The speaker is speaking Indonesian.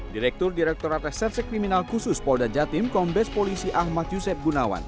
direktur direkturat reserse kriminal khusus polda jatim kombes polisi ahmad yusef gunawan